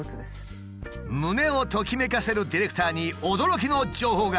胸をときめかせるディレクターに驚きの情報が。